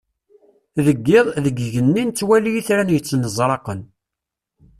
Deg yiḍ, deg yigenni, nettwali itran yettnezraqen.